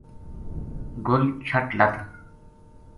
گل چھَٹ لَد